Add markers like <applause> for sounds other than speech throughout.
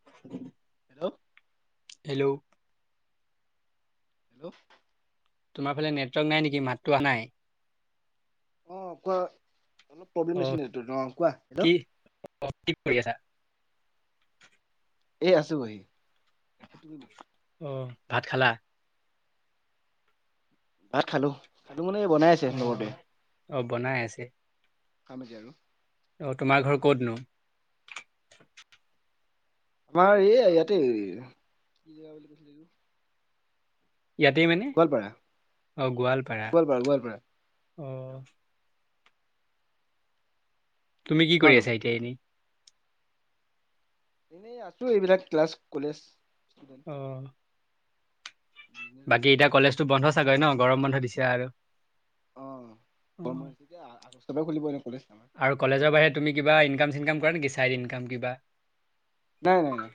<unintelligible> Hello. Hello. Hello. তোমাৰ ফালে network নাই নেকি? মাতটো অহা নাই। অ', কোৱা, অলপ প্ৰব্লেম আছে <unintelligible> অ', কোৱা, হেল্ল'। অহ, ' কি কৰি আছা? এই আছো বহি? অ', ভাত খালা? ভাত খালো খালো মানে বনাই আছে অ লগৰটোৱে অ বনাই খাম এতিয়া আৰু। অঁ', তোমাৰ ঘৰ ক'তনো? আমাৰ ই এইয়া ইয়াতে। এইটো ইয়াতেই মানে, গোৱালপাৰা অ', গোৱালপাৰা অ'। তুমি কি তোমাৰ কৰি নো আছা এতিয়া এনেই? এনেই আছো এইবিলাক ক্লাছ কলেজ ষ্টুডেণ্ট <unintelligible> অ'। বাকী এতিয়া কলেজো বন্ধ চাগৈ ন, গৰম বন্ধ দিছে আৰু? অ', অ গৰম এতিয়া আগষ্টৰ পৰা খুলিব এনে কলেজ আমাক। আৰু কলেজৰ বাহৰে তুমি কিবা ইনাম চিনকাম কৰা নেকি চাইড ইনকাম কিবা? নাই নাই নাই।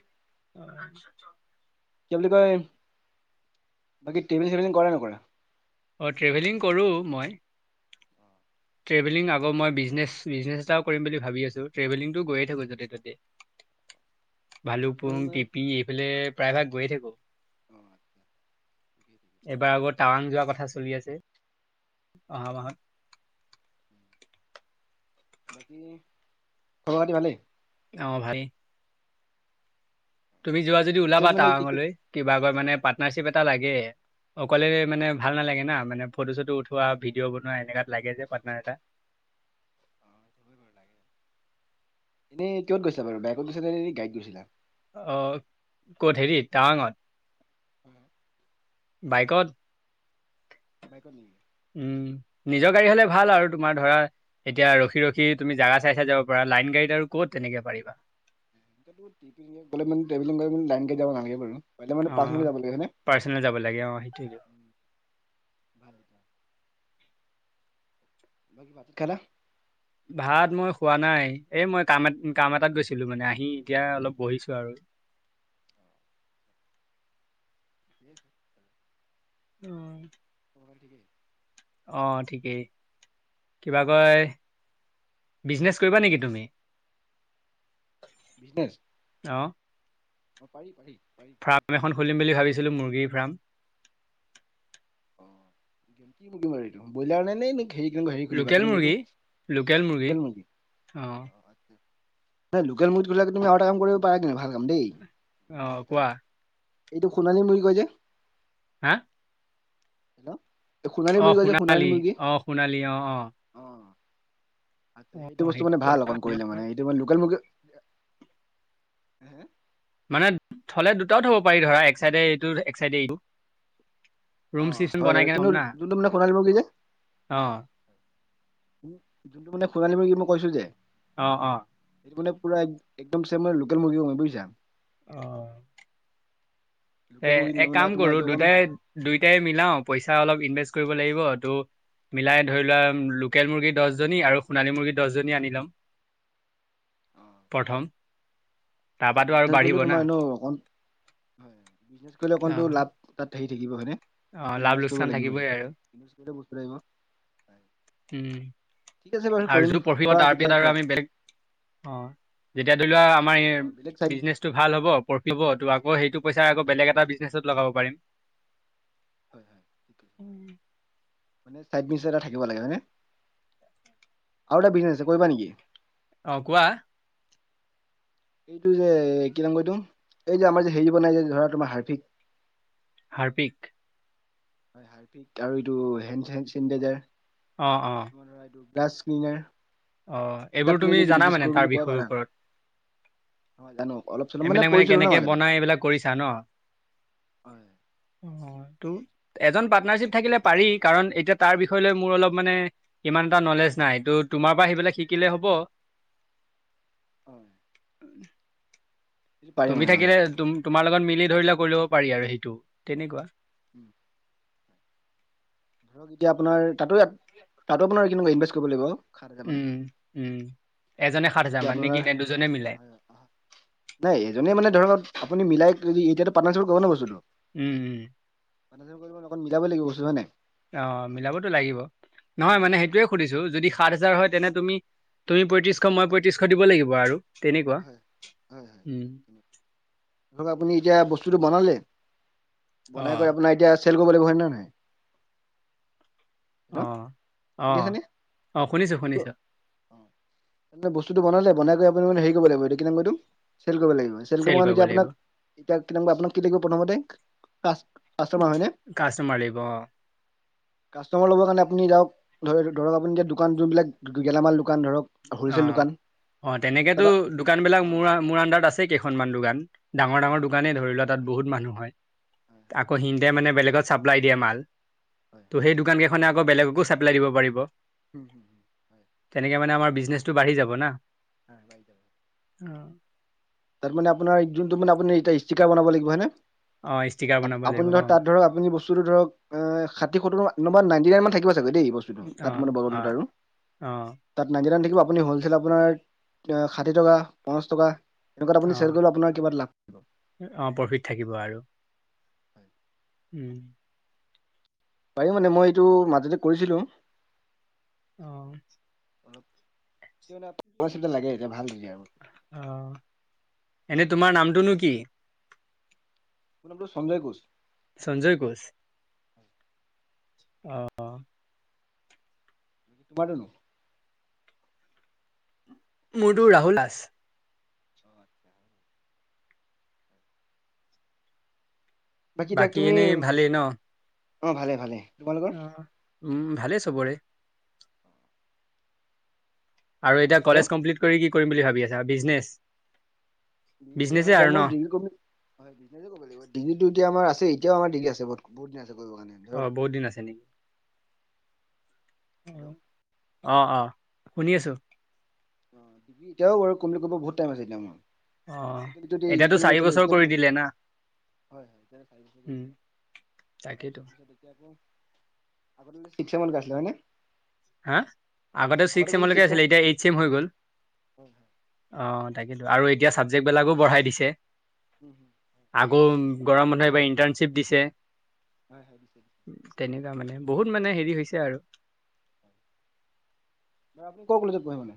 উা <unintelligible> কি বুলি কয় বাকী ট্ৰেভেলিং চেবিলিং কৰা নে নকৰা? অ', ট্ৰেভেলিং কৰো মই। ট্ৰেভেলিং আকৌ মই বিজনেছ বিজনেছ এটাও কৰিম ভাবি আছো ট্ৰেভেলিংটো গৈয়ে থাকো য'তে ত'তে। বিজনেছ ভালুকপুং মানে টিপি এইফালে প্ৰায় ভাগ গৈয়ে থাকো। <inaudible> ঠিকেই ঠিকেই। এইবাৰ আকৌ টাৱাং যোৱা কথা চলি আছে অহা মাহত। বাকী খবৰ খাটি ভালেই? অ', ভালেই। তুমি যোৱা মানে যদি ওলাবা বিজনেছ মানে কি কি টাৱাংলৈ কিবা কৈ মানে পাৰ্টনাৰশ্বিপ এটা লাগে। অকলে মানে ভাল নালাগে না, মানে ফটো চটো উঠোৱা ভিডিঅ' বনোৱা এনেকুৱাত লাগে যে পাটনাৰ এটা। অ, এনে কিহত গৈছিলা বাৰু বাইকত গৈছিল নে গাড়ীত গৈছিলা? অ', ক'ত হেৰি টাৱঙত? <inaudible> বাইকত। বাইকত নেকি? উম, নিজৰ গাড়ী হলে ভাল আৰু তোমাৰ ধৰা এতিয়া ৰখি ৰখি তুমি জেগা চাই চাই যাব পাৰা, লাইন গাড়ীত আৰু কত তেনেকে পাৰিবা। <unintelligible> লে লাইন গাড়ীত যাব নালাগে বাৰু, পৰিলে মানে পাৰ্ছনেল অ' গাড়ীত যাব লাগে হয়নে? পাৰ্চনেল যাব লাগে অ', সেইটোৱেইটো। উম, <unintelligible> ভাত খালা? ভাত মই খোৱা নাই এ মই কাম এ কাম এটাত গৈছিলো মানে আহি এতিয়া অলপ বহিছো আৰু। অ, <inaudible> অ'। <inaudible> অ', ঠিকেই কিবা কয় বিজনেচ কৰিবা কোৱা নেকি তুমি? বিজনেছ? অ'। অ', পাৰি পাৰি পাৰি। ফাৰ্ম এখন খুলিম বুলি ভাবিছিলোঁ মুৰ্গীৰ ফাৰ্ম। অ' <unintelligible> ব্ৰইলাৰ নে নে হেৰি <unintelligible> হেৰি খুলিবা লোকেল মুৰ্গী লোকেল মুৰ্গী? অ নাই লোকেল মুৰ্গী <unintelligible> তুমি আৰু এটা কাম কৰিব পাৰা কিন্তু ভাল কাম দেই অ কোৱা এইটো সুণালীম মুৰ্গী কয় যে হা? হেল্ল'? এই সোণালী মুৰ্গী অ' কয় যে সোণালী মুৰ্গী। অ' সোণালী, অ', অ'। অ সেইটো বস্তু মানে ভাল কথা। অকণ কৰিলে, মানে সেইটো মা লোকেল মুৰ্গী হে? মানে থলে দুটাও থ'ব পাৰি ধৰা এক চাইডে এইটো এক চাইডে এইটো। ৰুম অ' চিষ্টেম হয় বনাই বাৰু কেনে থম কিন্তু না যোনটো মানে সোণালী মুৰ্গী যে। অ যোনটো মানে সোণালী বুলি মই কৈছোঁ যে অ', অ'। সেইটো মানে পু একদমান লোকেল মুৰ্গী বুজিছা? অ'। এ, লোকেল মুৰ্গী এক তাৰমানে কাম তোমাৰ কৰো এইটো অকণ দুটাই দুইটাই মিলাও পইচা অলপ ইনভেষ্ট কৰিব লাগিব ত' মিলাই ধৰি লোৱা লোকেল মুৰ্গী দহজনী আৰু সোণালী মুৰ্গী দহজনী আনি ল'ম। প্ৰথম। হয়। তাৰপাতো আৰু বিজনেছ বাঢ়িব কৰিলে না তোমাৰনে অক হয় বিজনেছ কৰিলে অকণটো অ', লাভ তাত হেৰি থাকিব হয়নে? অ', অকন লাভ ইনভেষ্ট লোকচান কৰিব লাগিবই। থাকিবই আৰু বস্তু লাগিব উম, বাৰু আৰু কৰিম জোৰ পৰিব ক'বা কেতিয়া তাৰপিছত আৰু অ', আমি বেলেগ অ'। যেতিয়া ধৰি লোৱা আমাৰ ই বেলেগ চাইড বিজনেছ টো ভাল হ'ব প্ৰফিট হ'ব ত' আকৌ সেইটো পইচাই আকৌ বেলেগ এটা বিজনেছত লগাব পাৰিম। <unintelligible> মানে চাইড বিজনেছ এটা থাকিব লাগে। আৰু এটা বিজনেছ আছে কৰিবা নেকি? অ' কোৱা? এইটো যে কি নাম কই এইটো এই যে আমাৰ যে হেৰি বনাই যে ধৰা তোমাৰ হাৰ্ফিক। হাৰ্পিক? আৰু আৰু এইটো হে হেণ্ড চেনিটাইজাৰ। অ', অ'। <unintelligible> অ' এইবোৰ এইবিলাক তুমি যদি জানা বিজনেছ মানে কৰো তাৰ বুলি কোৱা বিষয়ৰ পাৰা। ওপৰত? হয় জানো অলপ চলপ এইবিলাক মানে কৰিছিলো ন কেনেকে মাজতে। বনাই, এইবিলাক কৰিছা ন'? হয় অ'টো। এজন পাৰ্টনাৰশ্বিপ থাকিলে পাৰি কাৰণ এতিয়া তাৰ বিষয় লৈ মোৰ অলপ মানে ইমান এটা নলেজ নাই ত' তোমাৰপৰা সেইবিলাক শিকিলে হ'ব। হয় সেইটো পাৰি তুমি মানে হয়। থাকিলে তুম তোমাৰ লগত মিলি ধৰিলে কৰি ল'ব পাৰি আৰু সেইটো তেনেকুৱা। উম। ধৰক এতিয়া আপোনাৰ তাতো তাতো আপোনাৰ কেনেকুৱা ইনভেষ্ট কৰিব লাগিব? সাত হাজাৰ মান। উম, উম, এজনে আৰু সাত হাজাৰ তেতিয়া মান নেকি আপোনাৰ নে দুজনে মিলাই? হয় হয়। নাই এজনে মানে ধৰক আপুনি মিলাই এতিয়াটো পাৰ্টনাৰ চিপত কৰোঁ ন' বস্তুটো। উম, উম। লগত মিলাব লাগিবস্তু হয় নাই? অ' মিলাবতো লাগিব। নহয় মানে সেইটোয়ে সুধিছো যদি সাত হাজাৰ হয় তেনে তুমি তুমি পঁয়ত্ৰিশ, মই পঁয়ত্ৰিশ দিব লাগিব আৰু। তেনেকুৱা, হয় হয় উম। হয়। ধৰক আপুনি এতিয়া বস্তুটো বনালে, বনাই কৰি অ', আপোনাৰ এতিয়া চেল কৰিব লাগিব হয় নাই? হেল্ল' অ'। শুনি অ', আছনে? অ' শুনিছো বস্তুটো শুনিছো মানে বস্তুতটো বনালে বনাই আপুনি মে হেৰি কৰিব লাগিব এইটো কি নাম কয়, চেল কৰিব লাগিব। চেল কৰিবলৈ কৰিব এতিয়া লাগিব, আপোনাক এতিয়া আপোনাক কি লাগিব প্ৰথমতে, পাছ কাষ্টমাৰ হয়নে? কাষ্টমাৰ লাগিব অ', কাষ্টমাৰ ল'বৰ কাৰণে আপুনি যাক ধ-ধৰক আপুনি এতিয়া দোকান যোনবিলাক গেলামাল দোকান ধৰক হোলচেল অ'। দোকান। অ' তেনেকেতো তাত দোকানবিলাক অ মোৰ হয় মোৰ আণ্ডাৰত আছে কেইখনমান দোকান, ডাঙৰ ডাঙৰ দোকানেই ধৰি লোৱা। তাত বহুত মানুহ হয়, আকৌ সিহঁতে মানে বেলেগত চাপ্লাই দিয়ে মাল। হয় হয় ত' সেই দোকান কেইখনে আকৌ বেলেগকো চাপ্লাই দিব পাৰিব। হুম, হুম। তেনেকে মানে আমাৰ ব্ৰিজনেচটো বাঢ়ি যাব না। হয় বাঢ়ি যাব। অ' তাত মানে আপোনাৰ যোনটো মে এ ষ্টিকাৰ বনাব লাগিব হয় নে। অ', ষ্টিকাৰ বনাব লাগিব আপুনি ধৰক অ', তাত ধৰক আপুনি বস্তু ধৰক ষাঠি, সত্ৰৰ নম্ব নাইটিনাইন মান থাকিব চাগৈ দেই বস্ত তাত অ', মানে বদল অ', দুটা ৰুম। অ', তাত নাইটিনাইন থাকিব আপুনি হ'লচেল আপোনাৰ ষাঠি টকা পঞ্চছ টকা। তেনেকুৱাত আপুনি অ', চেল কৰিল আপোনাৰ কিব লাভ থাকিব। অ' প্ৰফিত থাকিব আৰু উম। পাৰিব মানে মই এইটো মাজতে কৰিছিলোঁ। অ' অলপ লাগে এতিয়া ভাল দিজাই আৰু অ' এনেই তোমাৰ নামটোনো কি? মোৰ নামটোচঞ্জয় কোচ। চঞ্জয়ে ঘোচ অ' তোমাৰ তোৰ কৰ। মোৰটো ৰাহুল দাস বাকী তাক তুমি এনেই ভালেই ন? অ' ভালে ভালে। তোমালোকৰ অ' উম, ভালে চবৰে। আৰু এতিয়া হেল্ল' কলেজ কমপ্লিট কৰি কি কৰিম বুলি ভাবি আছা ব্ৰিজনেচ হয়, এতিয়া মোৰ বিহুৰ কাপোৰ হয় ব্ৰিজনেচো কৰিব লাগিব ডিগ্ৰী টো এতিয়া আমাৰ আছে এতিয়াও আমাৰ ডিগ্ৰীৰ আছে, এতিয়াও বহুত দিন আছে কৰিব কাৰণে। অ' ধৰক বহুত দিন আছে নেকি। হেল্ল' অ' অ' শুনি আছো। ডিগ্ৰ্যএতিয়াও আৰু কৰিম বুলি কৰিব বহুত টাইম আছে এতিয়া মোৰ বহুত। অ আজিকালি যদি <unintelligible> এতিয়াতো চাৰি বছৰ কৰি দিলে না উম তাকেইতো তাৰপিছত পিছত এতিয়া আকৌ আগতে বোলে <unintelligible> হা আগতে ছিক্স চেমলৈকে আছিলে। এতিয়া এইট চেম হৈ হয় গ'ল হয় হয় অ' তাকে টো আৰু এতিয়াতো চাবজেক্টবিলাকো বঢ়াই দিছে। <unintelligible> আগৌ গৰম মানুহ এইবাৰ ইণ্টাৰ্ণশ্বিপ দিছে। হয়, হয়, দিছে। তেনেকুৱা মানে বহুত মানে হেৰি হৈছে আৰু। ন আপুনি ক'ৰ কলেজত পঢ়িব নো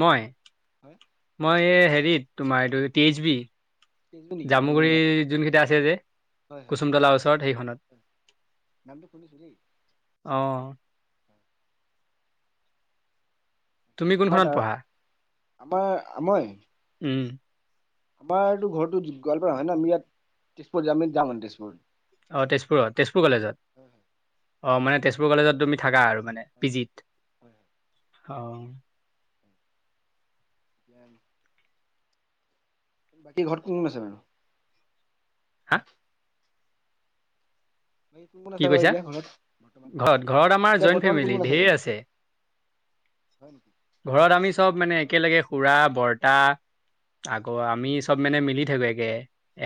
মই। হয়। মই এই হেৰিত তোমাৰ এইটো কি ইচ বি তেজপুৰ নেকি অ জামুগুৰি যোনকেইটা আছে যে কুচুমতলাৰ ওচৰত সেইখনত গান টো শুনিছিলি। অ' তুমি আমাৰ কোনখনত তাৰ পঢ়া, আমাৰ আমই উম। আমাৰতো ঘৰৰতো গোৱালপাৰা হয় ন আমি ইয়াত তেজপুৰ যাম যাম মান তেজপুৰ অ' তেজপুৰত তেজপুৰ কলেজত হয় হয় অ' মানে তেজপুৰ কলেজত তুমি থাকা আৰু মানে হয় পি জি হয় হয় হয় ত অ' উম। বাকী ঘৰত কোন কোন আছে? হা? কোন কোন কি আছে বাৰু কৈছা এতিয়া ঘৰত? বৰ্তমান ঘৰত ঘৰত আমাৰ এতিয়া জইণ্ট বৰ্তমান ফেমিলি কোন কোন আছে ঢেৰ বাৰু? হয় নেকি? ঘৰত আমি চব মানে একেলগে খুৰা বৰ্তা আকৌ আমি চব মানে মিলি থাকো একে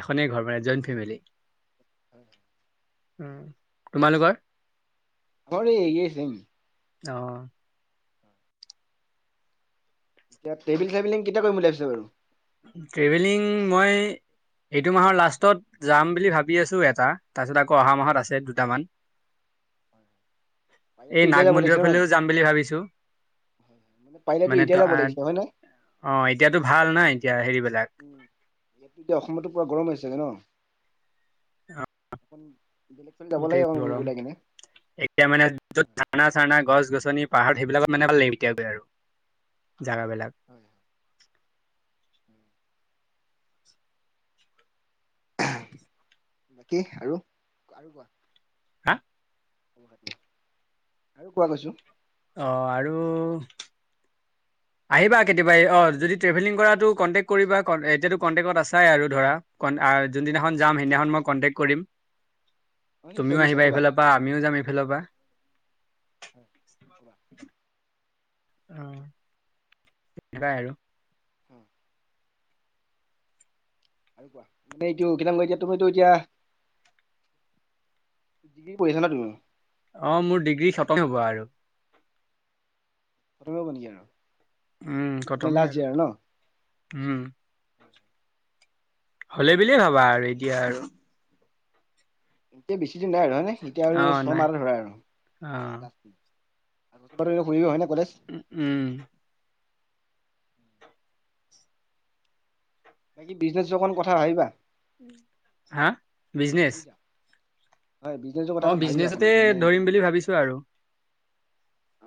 এখনেই ঘৰ মানে জইণ্ট ফেমিলি। হয়। উম, তোমালোকৰ? <inaudible> একেই চেম। অহ, এতি <inaudible> কেতিয়া কৰিম বুলি ভাবিছা বাৰু? ট্ৰেভেলিং মই এইটো মাহৰ লাষ্টত যাম বুলি ভাবি আছোঁ এটা তাৰপিছত আকৌ অহা মাহত আছে দুটামান। পাৰিলেতো এই এতিয়া নাগ যাব মন্দিৰৰ লাগিছিলে ন ফালেও যাম বুলি ভাবিছোঁ। পাৰিলেতো মানে এতিয়া ত যাব লাগিছিলে হয় নাই অ, এতিয়াতো ভাল নাই অলপ এতিয়া হেৰিবলাক, ইয়াতো এতিয়া অসমতো পুৰা গৰম হৈছে ছাগে ন? বেলেগ ফালে যাব লাগে গোটেই অকণ গৰম। ওলাই কিনে এতিয়া মানে যত ধাৰণা চাৰা গছ গছনি পাহাৰ সেইবিলাকত মানে ভাল লাগিবতিয়াকৈ আৰু। জেগাবিলাক। হয় হয়। বাকী আৰু আৰু কোৱা। হা? আৰু কোৱা কৈছোঁ। অ, আৰু আহিবা কেতিয়াবাই অ বাকী যদি ট্ৰেভেলিং কৰাটো কন্টেক্ এতিয়া কনটেক আছে আৰু ধৰা হয় যোনদিনাখন হয় যাম সেইদিনাখন মই কণ্টেক্ট কৰিম অ নিশ্চয় তুমিও নিশ্চয় আহিবা কবা এইফালৰ পৰা আমিও যাম এইফালৰ পৰা। <inaudible> অ, তেনেকুৱাই আৰু। হম, আৰু কোৱা মান এইটো কিাম এতিয়া তোমতটো এতিয়া, <inaudible> কৰিছা ন তুমি। অ, মোৰ ডিগ্ৰী খতম হব আৰু। <inaudible> নেকি আৰু? উম, মানে খটমেই লাষ্ট আৰু। ইয়াৰ ন উম, হ'লই বুলিয়ে ভাবা আৰু এতিয়া আৰু। এতিয়া বেছি দিন নাই আৰু হয়নে এতিয়া আৰু অ' নাই ছমাহ ধৰে আৰু। অ' <inaudible> হয় নে কলেজ? উম, বাকী বিজনেছ <inaudible> কথা আহিবা। হা? বিজনেছ? বুজিছা হয়, <inaudible> অ', ভাবিবা অকণ বিজনেছতে মানে এইটো ধৰিম বুলি ভাবিছোঁ আৰু। অ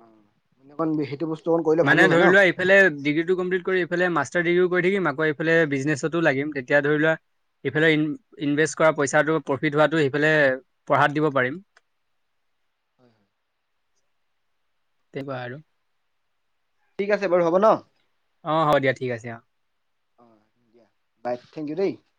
মান অক সেইটো বস্তু অকণ কৰিলে ভালো মানে হয় ন ধৰি লোৱা এইফালে ডিগ্ৰী টো কমপ্লিট কৰি ফালে মাষ্টাৰ ডিগ্ৰীও কৰি থাকিম আকৌ এইফালে বিজনেচতো লাগিম তেতিয়া ধৰি লোৱা ইফালে ইনভেষ্ট কৰা পইচাটো প্ৰফিট হোৱাটো সেইফালে পঢ়াত দিব পাৰিম। হয়, হয়, তেনেকুৱা আৰু ঠিক আছে বাৰু হ'ব ন? অ, হ'ব দিয়া ঠিক আছে অ, <unintelligible>